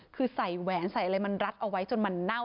คือใส่แหวนใส่อะไรมันรัดเอาไว้จนมันเน่า